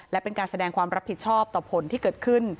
และเป็นการแสดงความรับผิดชอบต่อผลที่เกิดขึ้น